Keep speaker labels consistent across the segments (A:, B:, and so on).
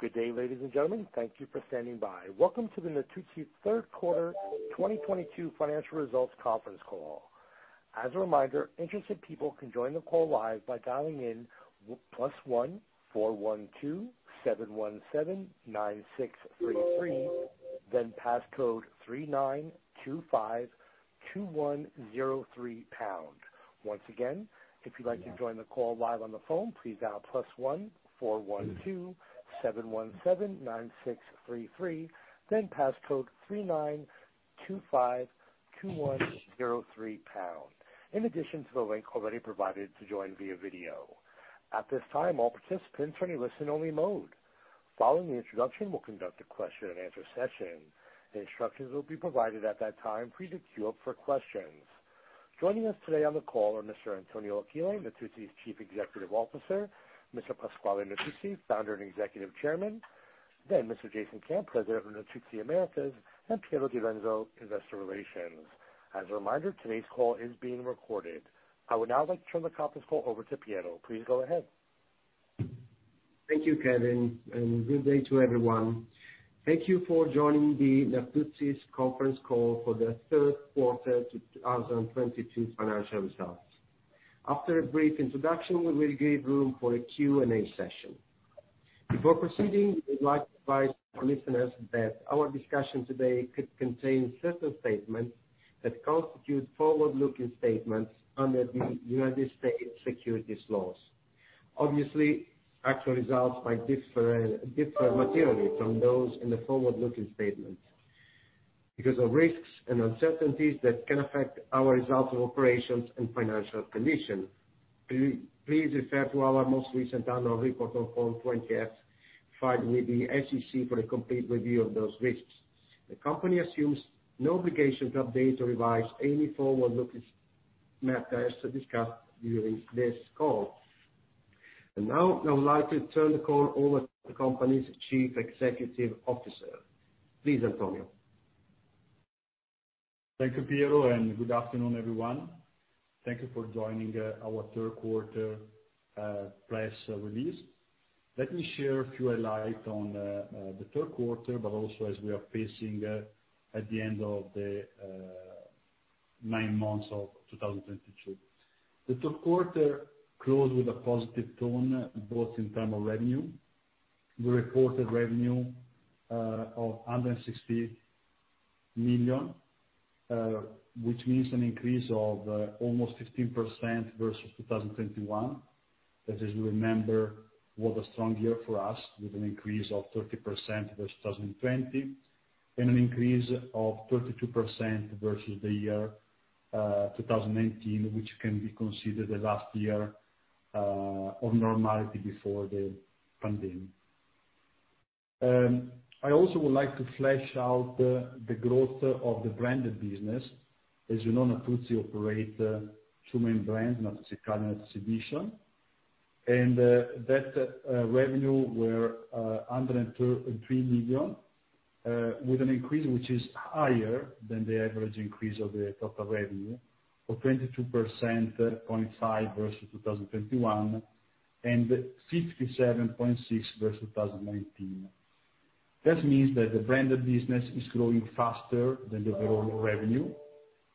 A: Good day, ladies and gentlemen. Thank you for standing by. Welcome to the Natuzzi third quarter 2022 financial results conference call. As a reminder, interested people can join the call live by dialing in +1 412-717-9633, then passcode 39252103 pound. Once again, if you'd like to join the call live on the phone, please dial +1 412-717-9633, then passcode 39252103 pound. In addition to the link already provided to join via video. At this time, all participants are in a listen only mode. Following the introduction, we'll conduct a question and answer session. The instructions will be provided at that time for you to queue up for questions. Joining us today on the call are Mr. Antonio Achille, Natuzzi's Chief Executive Officer, Mr. Pasquale Natuzzi, Founder and Executive Chairman, then Mr. Jason Camp, President of Natuzzi Americas, and Piero Direnzo, Investor Relations. As a reminder, today's call is being recorded. I would now like to turn the conference call over to Piero. Please go ahead.
B: Thank you, Kevin. Good day to everyone. Thank you for joining the Natuzzi's conference call for the third quarter 2022 financial results. After a brief introduction, we will give room for a Q&A session. Before proceeding, we would like to advise our listeners that our discussion today could contain certain statements that constitute forward-looking statements under the United States securities laws. Obviously, actual results might differ materially from those in the forward-looking statement because of risks and uncertainties that can affect our results of operations and financial condition. Please refer to our most recent annual report on Form 20-F filed with the SEC for a complete review of those risks. The company assumes no obligation to update or revise any forward-looking matters discussed during this call. Now I would like to turn the call over to the company's Chief Executive Officer. Please, Antonio.
C: Thank you, Piero. Good afternoon, everyone. Thank you for joining our third quarter press release. Let me share a few highlights on the third quarter, but also as we are facing at the end of the nine months of 2022. The third quarter closed with a positive tone, both in term of revenue. We reported revenue of 160 million, which means an increase of almost 15% versus 2021. Which as you remember, was a strong year for us, with an increase of 30% versus 2020, and an increase of 32% versus the year 2018, which can be considered the last year of normality before the pandemic. I also would like to flesh out the growth of the branded business. As you know, Natuzzi operate two main brands, Natuzzi Italia. That revenue were 103 million with an increase which is higher than the average increase of the total revenue of 22.5% versus 2021, and 57.6% versus 2019. This means that the branded business is growing faster than the overall revenue,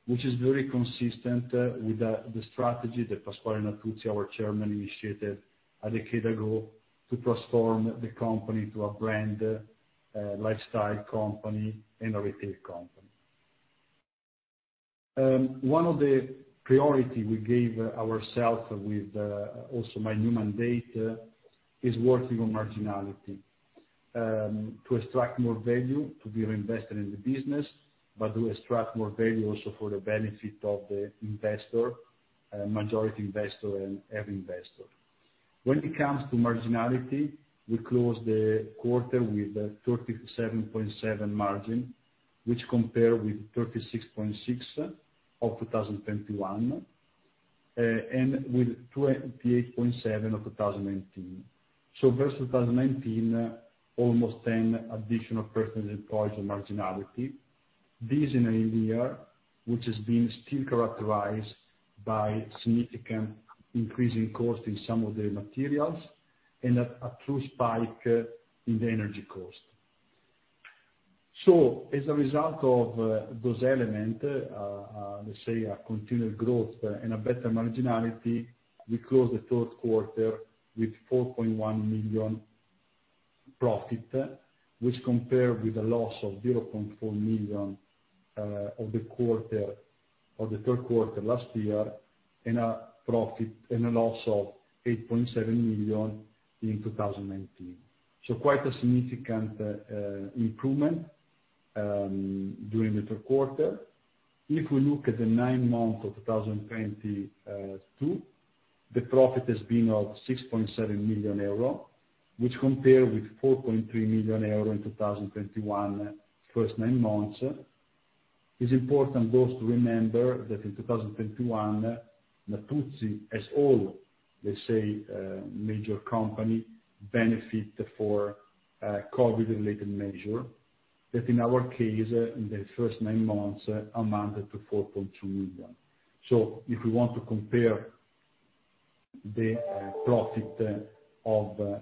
C: which is very consistent with the strategy that Pasquale Natuzzi, our Chairman, initiated a decade ago to transform the company to a brand lifestyle company and a retail company. One of the priority we gave ourself with also my new mandate is working on marginality to extract more value to be reinvested in the business, but to extract more value also for the benefit of the investor, majority investor and every investor. When it comes to marginality, we closed the quarter with a 37.7% margin, which compare with 36.6% of 2021, and with 28.7% of 2019. Versus 2019, almost 10 additional percentage points of marginality. This in a year which has been still characterized by significant increase in cost in some of the materials and a true spike in the energy cost. As a result of those element, let's say a continued growth and a better marginality, we closed the third quarter with 4.1 million profit, which compared with a loss of 0.4 million of the third quarter last year, and a loss of 8.7 million in 2019. Quite a significant improvement during the third quarter. If we look at the nine months of 2022, the profit has been of 6.7 million euro, which compare with 4.3 million euro in 2021 first nine months. It's important those to remember that in 2021, Natuzzi, as all, let's say, major company, benefit for COVID-related measure, that in our case, in the first nine months, amounted to 4.2 million. If we want to compare. The profit of the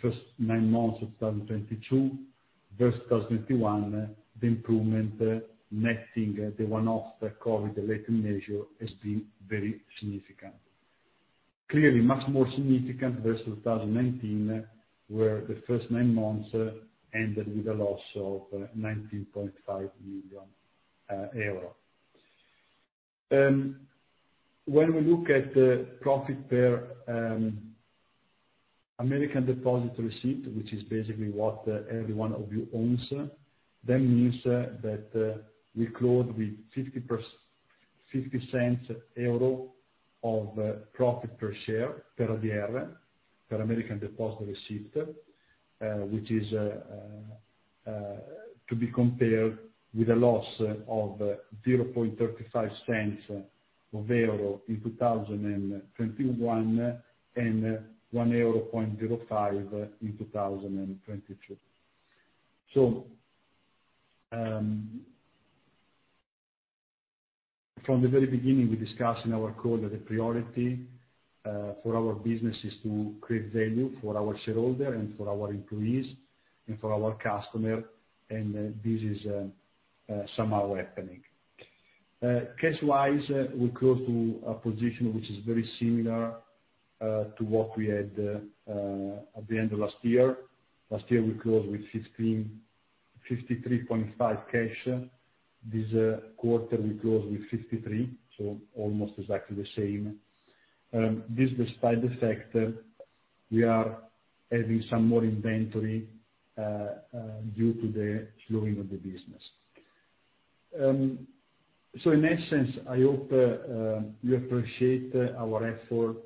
C: first nine months of 2022 versus 2021, the improvement netting the one-off COVID-related measure has been very significant. Clearly, much more significant versus 2019, where the first nine months ended with a loss of 19.5 million euro. When we look at the profit per American Depositary Receipt, which is basically what every one of you owns, that means that we close with 0.50 of profit per share, per ADR, per American Depositary Receipt. Which is to be compared with a loss of 0.35 in 2021, and 1.05 euro in 2022. From the very beginning, we discussed in our call that the priority for our business is to create value for our shareholder and for our employees and for our customer. This is somehow happening. Cash wise, we go to a position which is very similar to what we had at the end of last year. Last year, we closed with 53.5 cash. This quarter, we closed with 53, almost exactly the same. This despite the fact that we are adding some more inventory due to the slowing of the business. In that sense, I hope you appreciate our effort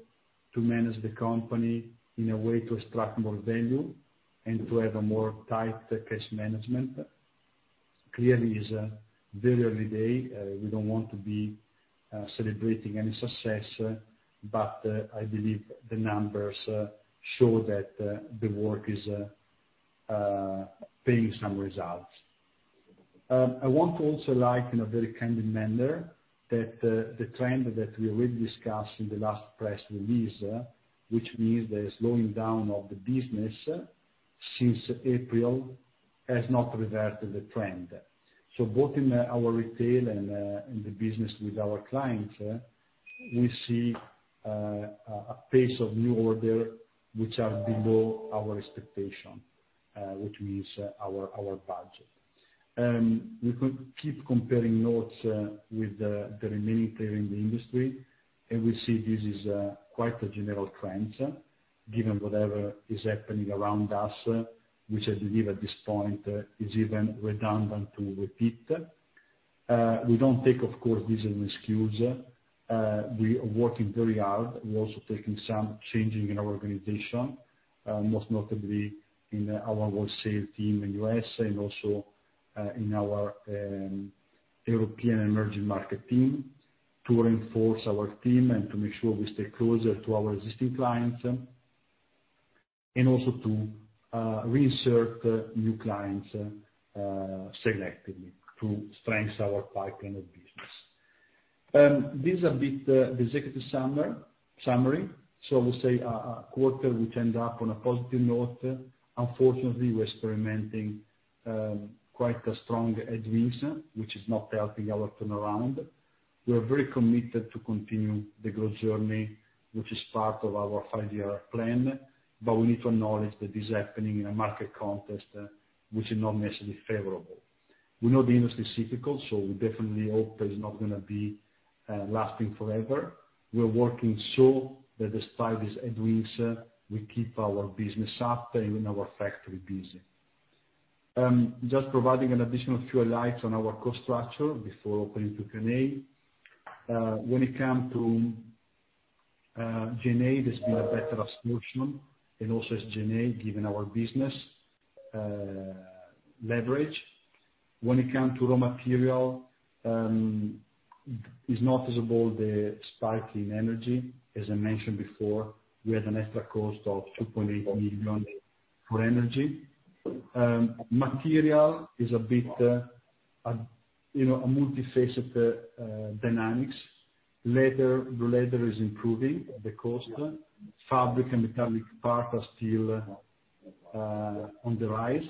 C: to manage the company in a way to extract more value and to have a more tight cash management. Clearly is a very early day. We don't want to be celebrating any success, but I believe the numbers show that the work is paying some results. I want to also like, in a very candid manner, that the trend that we already discussed in the last press release, which means the slowing down of the business since April, has not reverted the trend. Both in our retail and in the business with our clients, we see a pace of new order which are below our expectation, which means our budget. We could keep comparing notes with the remaining player in the industry, and we see this is quite a general trend given whatever is happening around us, which I believe at this point is even redundant to repeat. We don't take, of course, this as an excuse. We are working very hard. We're also taking some changing in our organization, most notably in our wholesale team in U.S. and also in our European emerging market team to reinforce our team and to make sure we stay closer to our existing clients. Also to reinsert new clients selectively to strengthen our pipeline of business. This a bit the executive summary. I will say a quarter which end up on a positive note. Unfortunately, we're experimenting quite a strong headwinds, which is not helping our turnaround. We are very committed to continue the growth journey, which is part of our five-year plan. We need to acknowledge that is happening in a market context which is not necessarily favorable. We know the industry is difficult, we definitely hope that it's not gonna be lasting forever. We're working so that despite this headwinds, we keep our business up and our factory busy. Just providing an additional few lights on our cost structure before opening to Q&A. When it comes to G&A, there's been a better solution and also as G&A given our business leverage. When it comes to raw material, is noticeable the spike in energy. As I mentioned before, we had an extra cost of 2.8 million for energy. Material is a bit, you know, a multifaceted dynamics. Leather is improving the cost. Fabric and metallic part are still on the rise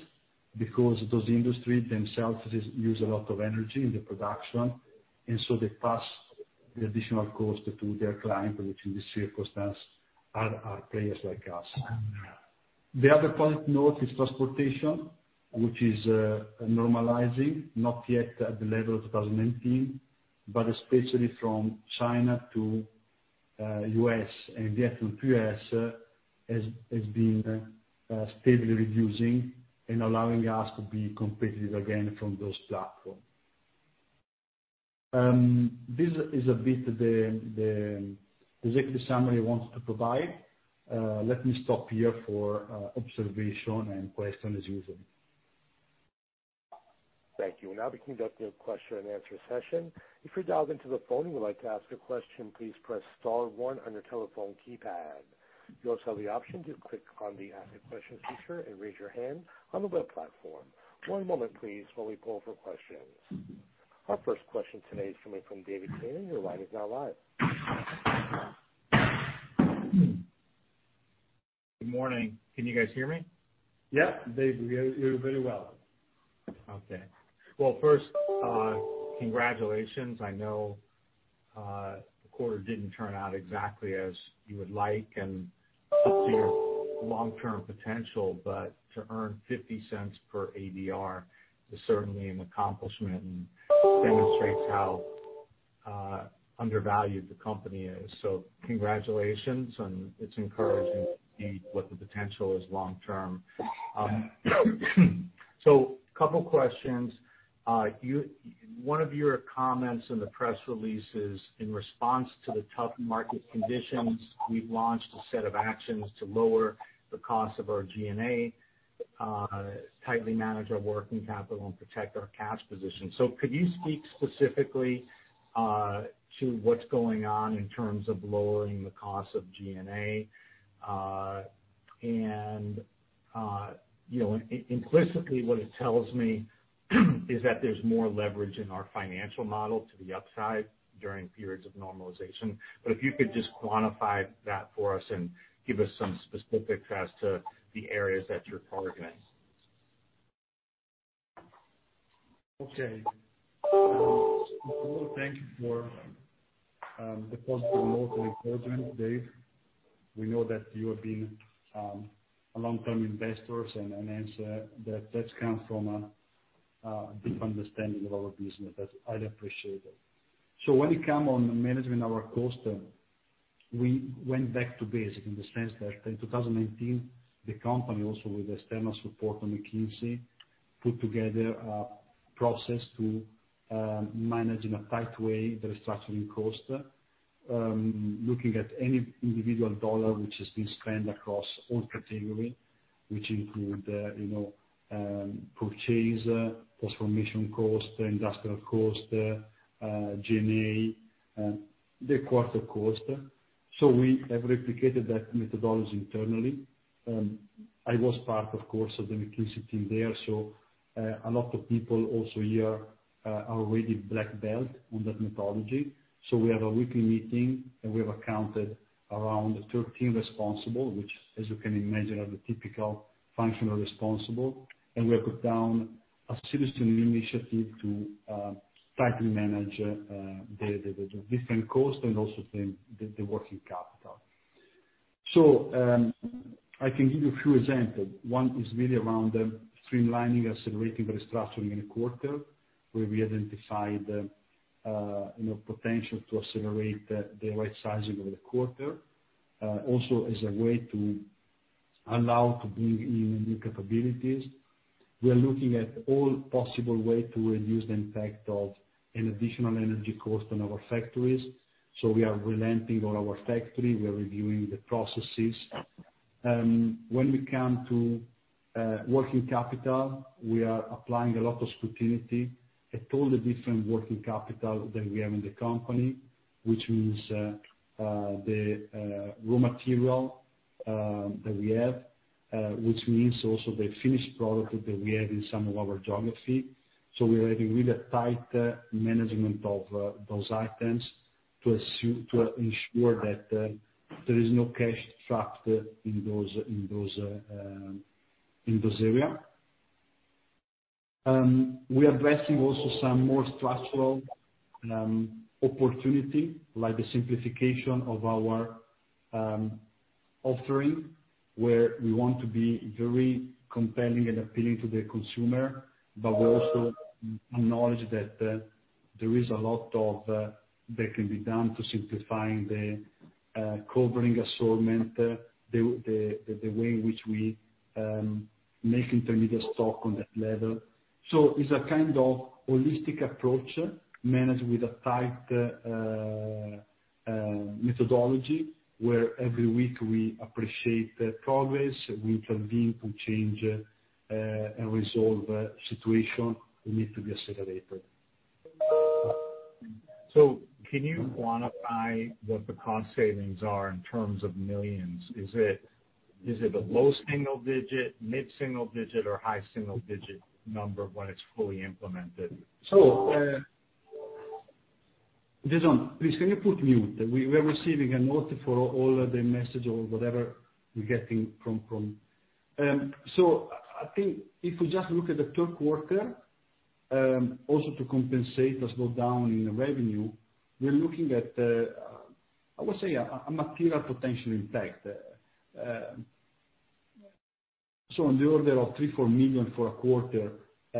C: because those industries themselves use a lot of energy in the production, so they pass the additional cost to their client, which in this circumstance are players like us. The other point to note is transportation, which is normalizing, not yet at the level of 2018, but especially from China to U.S. Vietnam to U.S. has been steadily reducing and allowing us to be competitive again from those platform. This is a bit the executive summary I wanted to provide. Let me stop here for observation and question as usual.
A: Thank you. We'll now be conducting a question-and-answer session. If you've dialed into the phone and you would like to ask a question, please press star one on your telephone keypad. You also have the option to click on the Ask a Question feature and raise your hand on the web platform. One moment please while we pull for questions. Our first question today is coming from David Cannon your line is now live.
D: Good morning. Can you guys hear me?
C: Yeah, David. We hear you very well.
D: Okay. Well, first, congratulations. I know, the quarter didn't turn out exactly as you would like and some of your long-term potential, but to earn 0.50 per ADR is certainly an accomplishment and demonstrates how undervalued the company is. Congratulations, and it's encouraging to see what the potential is long term. Couple of questions. One of your comments in the press release is in response to the tough market conditions, we've launched a set of actions to lower the cost of our G&A, tightly manage our working capital and protect our cash position. Could you speak specifically to what's going on in terms of lowering the cost of G&A? And, you know, implicitly, what it tells me is that there's more leverage in our financial model to the upside during periods of normalization. If you could just quantify that for us and give us some specifics as to the areas that you're targeting.
C: Thank you for the positive note and encouragement, Dave. We know that you have been a long-term investors, and that's come from a deep understanding of our business. I appreciate it. When it come on management of our cost, we went back to basic in the sense that in 2018, the company also with external support from McKinsey, put together a process to manage in a tight way the restructuring cost, looking at any individual dollar which has been spent across all category, which include, you know, purchase, transformation cost, industrial cost, G&A, the quarter cost. We have replicated that methodology internally. I was part, of course, of the McKinsey team there. A lot of people also here are already Black Belt on that methodology. We have a weekly meeting, we have accounted around 13 responsible, which, as you can imagine, are the typical functional responsible. We have put down a citizen initiative to tightly manage the different cost and also the working capital. I can give you a few examples. One is really around streamlining, accelerating restructuring in a quarter, where we identified, you know, potential to accelerate the right sizing of the quarter. Also as a way to allow to bring in new capabilities. We are looking at all possible way to reduce the impact of an additional energy cost on our factories. We are relenting all our factory. We are reviewing the processes. When it come to working capital, we are applying a lot of scrutiny at all the different working capital that we have in the company, which means the raw material that we have, which means also the finished product that we have in some of our geography. We are having really tight management of those items to ensure that there is no cash trapped in those area. We are addressing also some more structural opportunity like the simplification of our offering. Where we want to be very compelling and appealing to the consumer, but we also acknowledge that there is a lot that can be done to simplifying the covering assortment, the way in which we make intermediate stock on that level. It's a kind of holistic approach managed with a tight methodology, where every week we appreciate the progress, we intervene to change and resolve a situation that need to be accelerated.
D: Can you quantify what the cost savings are in terms of millions? Is it a low-single-digit, mid-single-digit, or high-single-digit number when it's fully implemented?
C: Jason, please, can you put mute? We are receiving a lot for all of the message or whatever we're getting from. I think if we just look at the third quarter, also to compensate the slowdown in revenue, we're looking at a material potential impact. On the order of 3 million-4 million for a quarter,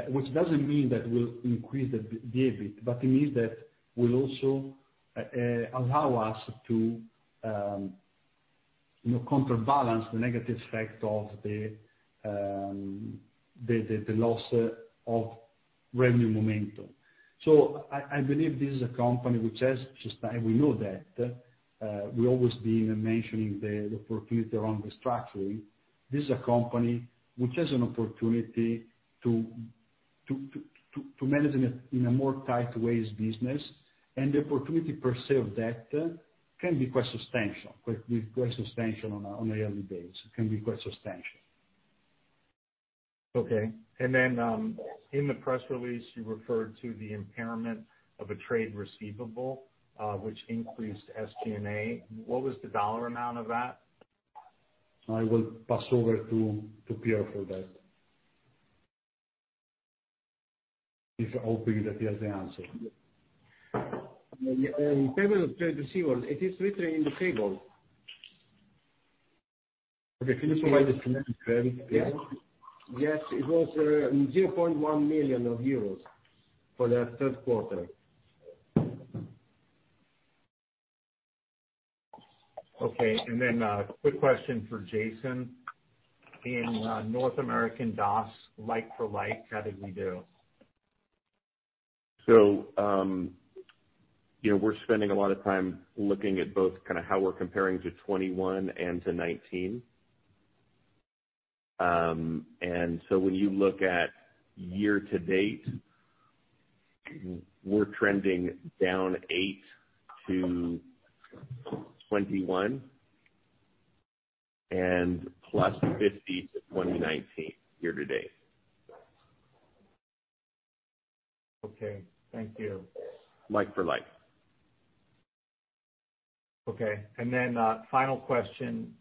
C: which doesn't mean that we'll increase the EBIT, it means that will also allow us to, you know, counterbalance the negative effect of the loss of revenue momentum. I believe this is a company which has sustained. We know that. We've always been mentioning the opportunity around restructuring. This is a company which has an opportunity to manage in a more tight ways business, and the opportunity per se of that can be quite substantial, quite substantial on a, on a yearly basis, can be quite substantial.
D: Okay. In the press release, you referred to the impairment of a trade receivable, which increased SG&A. What was the dollar amount of that?
C: I will pass over to Piero for that. He's hoping that he has the answer.
B: In terms of trade receivable, it is literally in the table.
C: Okay, can you provide the amount of trade?
B: Yes. It was 0.1 million euros for that third quarter.
D: Okay. Quick question for Jason. In North American DOS, like-for-like, how did we do?
E: You know, we're spending a lot of time looking at both kinda how we're comparing to 2021 and to 2019. When you look at year to date, we're trending down 8% to 2021 and +50% to 2019 year-to-date.
D: Okay, thank you.
E: Like-for-like.
D: Okay. Then, final question,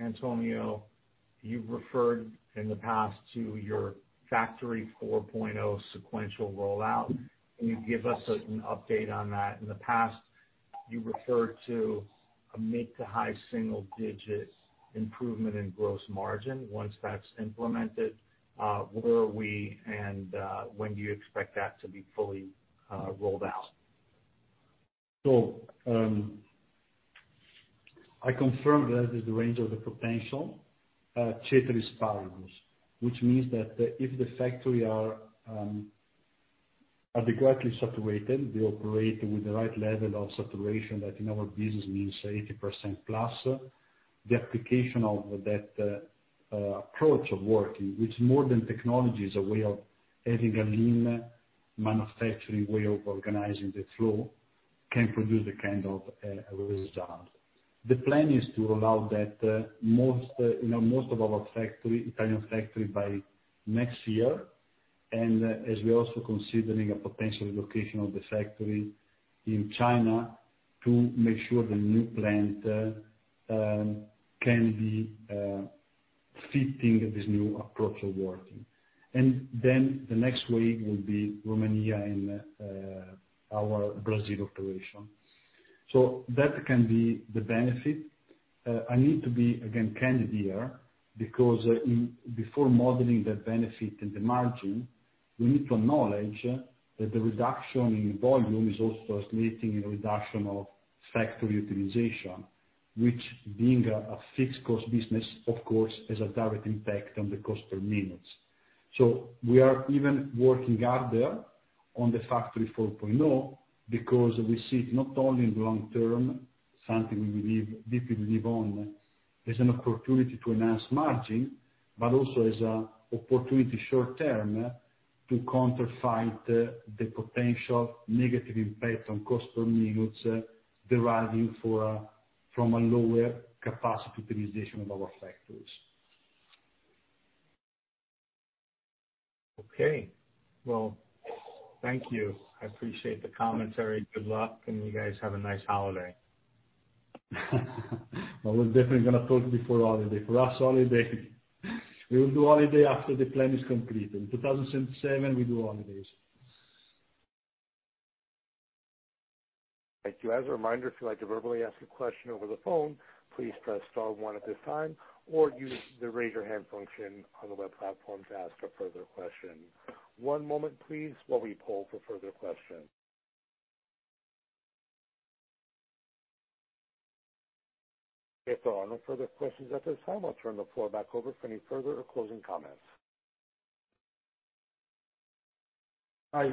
D: Antonio. You've referred in the past to your Factory 4.0 sequential rollout. Can you give us an update on that? In the past, you referred to a mid to high-single-digit improvement in gross margin once that's implemented. Where are we and when do you expect that to be fully rolled out?
C: I confirm that is the range of the potential ceteris paribus, which means that if the factory are directly saturated, they operate with the right level of saturation that in our business means 80%+. The application of that approach of working, which more than technology is a way of having a lean manufacturing way of organizing the flow, can produce the kind of result. The plan is to allow that most, you know, most of our factory, Italian factory by next year. As we're also considering a potential location of the factory in China to make sure the new plant can be fitting this new approach of working. Then the next wave will be Romania and our Brazil operation. That can be the benefit. I need to be again candid here because, before modeling the benefit and the margin, we need to acknowledge that the reduction in volume is also resulting in a reduction of factory utilization, which being a fixed cost business, of course, has a direct impact on the cost per units. We are even working harder on the Factory 4.0, because we see not only in long term, something we deeply believe on, as an opportunity to enhance margin, but also as an opportunity short term to counter fight the potential negative impact on cost per units deriving from a lower capacity utilization of our factories.
D: Okay. Well, thank you. I appreciate the commentary. Good luck. You guys have a nice holiday.
C: I was definitely gonna talk before holiday. We will do holiday after the plan is completed. In 2077, we do holidays.
A: Thank you. As a reminder, if you'd like to verbally ask a question over the phone, please press star one at this time or use the Raise Your Hand function on the web platform to ask a further question. One moment please, while we poll for further questions. If there are no further questions at this time, I'll turn the floor back over for any further or closing comments.
C: I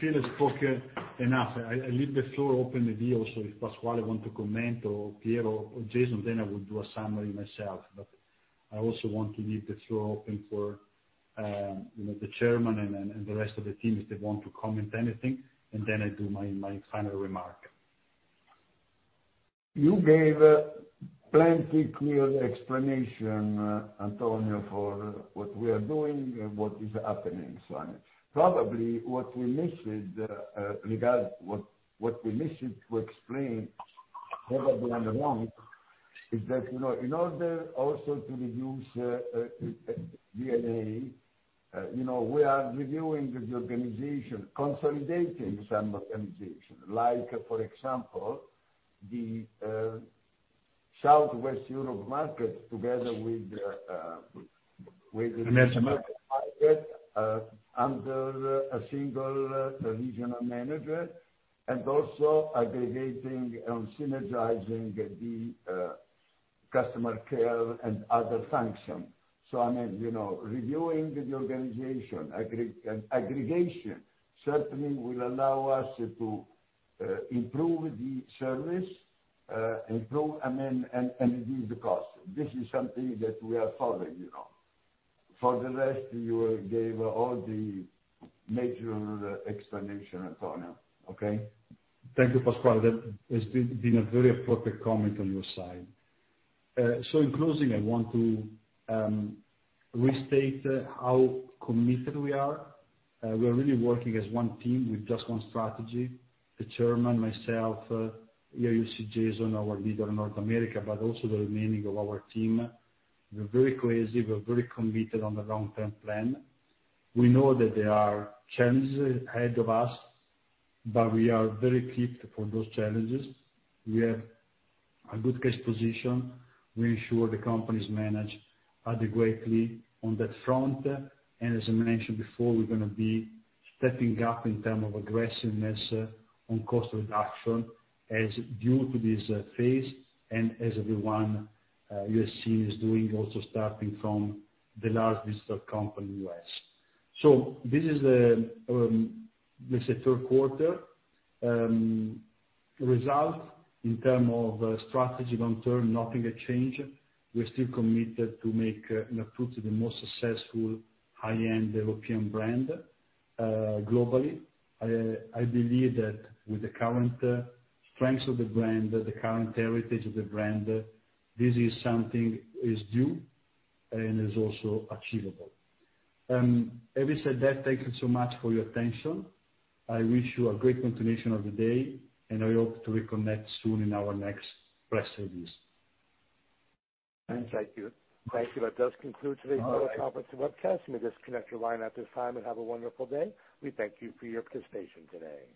C: feel I've spoken enough. I leave the floor open maybe also if Pasquale want to comment or Piero or Jason, then I would do a summary myself. I also want to leave the floor open for, you know, the Chairman and the rest of the team if they want to comment anything, and then I do my final remark.
F: You gave plenty clear explanation, Antonio, for what we are doing and what is happening. Probably what we missed to explain, probably I'm wrong, is that, you know, in order also to reduce G&A, you know, we are reviewing the organization, consolidating some organization, like for example, the Southwest Europe market together with the, the MENA market. Market, under a single, regional manager, and also aggregating and synergizing the customer care and other function. I mean, you know, reviewing the organization aggregation certainly will allow us to improve the service. Improve, I mean, and reduce the cost. This is something that we are solving, you know. For the rest, you gave all the major explanation, Antonio. Okay?
C: Thank you, Pasquale. That has been a very appropriate comment on your side. In closing, I want to restate how committed we are. We are really working as one team with just one strategy. The Chairman, myself, here you see Jason, our leader in North America, but also the remaining of our team. We're very crazy. We're very committed on the long-term plan. We know that there are challenges ahead of us, but we are very fit for those challenges. We have a good case position. We ensure the company's managed adequately on that front. As I mentioned before, we're gonna be stepping up in term of aggressiveness on cost reduction as due to this phase and as everyone you have seen is doing also starting from the largest of company in U.S. This is the, let's say third quarter result in term of strategy long term, nothing had changed. We're still committed to make Natuzzi the most successful high-end European brand globally. I believe that with the current strengths of the brand, the current heritage of the brand, this is something is due and is also achievable. Having said that, thank you so much for your attention. I wish you a great continuation of the day, and I hope to reconnect soon in our next press release.
F: Thanks.
A: Thank you. Thank you. That does conclude today's teleconference and webcast. You may disconnect your line at this time and have a wonderful day. We thank you for your participation today.